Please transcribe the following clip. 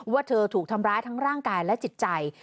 ว่าเธอถูกทำร้ายทั้งร่างกายและจิตใจ